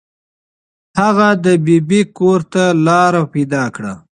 هغه د ببۍ کور ته لاره پیدا کړه.